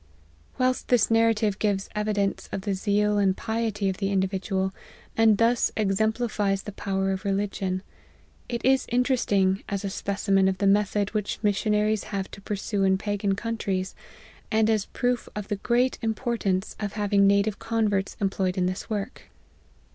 Whilst this narrative gives evidence of the zeal and piety of the individual, and thus exemplifies the power of religion, it is interesting as a specimen of the method which missionaries have to pursue in Pa gan countries, and as proof of the great importance of having native converts employed in this work.